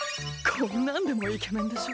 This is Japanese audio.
こんなんでもイケメンでしょ？